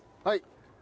はい。